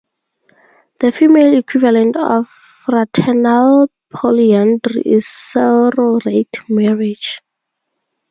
The female equivalent of fraternal polyandry is sororate marriage.